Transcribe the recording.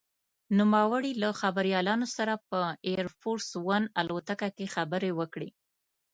نوموړي له خبریالانو سره په «اېر فورس ون» الوتکه کې خبرې وکړې.